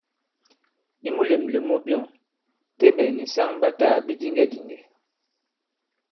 I mulèmlèm mu byɔ̂ŋ, Tembɛ̀ nì saŋ ɓa tāā bidiŋgɛdìŋgɛ̀.